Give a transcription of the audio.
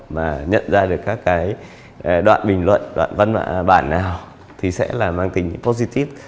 mà nhận ra được các cái đoạn bình luận đoạn văn bản nào thì sẽ là mang tính positive